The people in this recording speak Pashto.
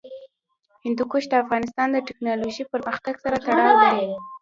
هندوکش د افغانستان د تکنالوژۍ پرمختګ سره تړاو لري.